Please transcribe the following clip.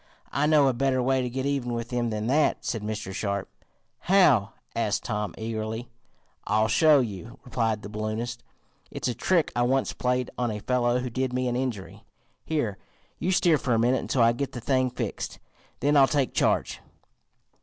"I know a better way to get even with them than that," said Mr. Sharp. "How?" asked Tom eagerly. "I'll show you," replied the balloonist. "It's a trick I once played on a fellow who did me an injury. Here, you steer for a minute until I get the thing fixed, then I'll take charge."